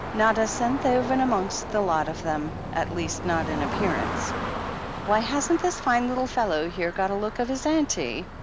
"Not a Senthoven amongst the lot of them, at least, not in appearance." "Why, hasn't this fine little fellow here got a look of his aimtie?"